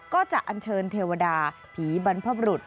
ก็จะอันเชิญเทวดาผีบรรพบรุษ